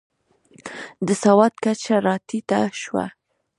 د سواد کچه راټیټه شوه.